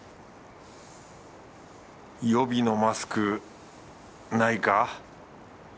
予備のマスクないか。